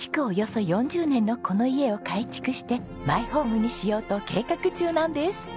およそ４０年のこの家を改築してマイホームにしようと計画中なんです。